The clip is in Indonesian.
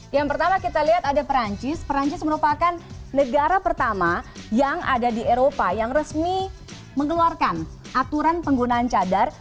yang pertama kita lihat ada perancis perancis merupakan negara pertama yang ada di eropa yang resmi mengeluarkan aturan penggunaan cadar